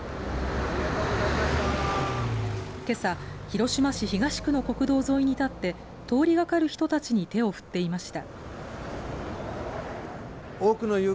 けさ、広島市東区の国道沿いに立って通りがかる人たちに手を振っていました。